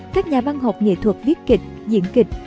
các nhà văn học nghệ thuật viết kịch diễn kịch